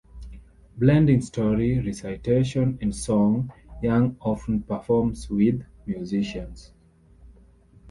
Blending story, recitation and song, Young often performs with musicians.